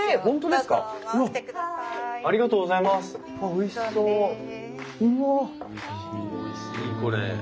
おいしいこれ。